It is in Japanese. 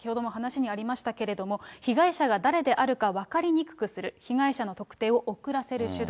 まず頭部を持ち去る心理としては、先ほどの話にありましたけれども、被害者が誰であるかを分かりにくくする、被害者の特定を遅らせる手段。